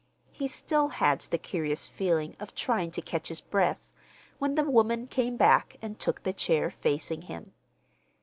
He still had the curious feeling of trying to catch his breath when the woman came back and took the chair facing him.